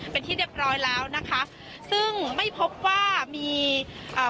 เป็นที่เรียบร้อยแล้วนะคะซึ่งไม่พบว่ามีเอ่อ